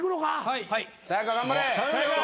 はい。